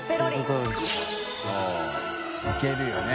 ◆舛叩いけるよね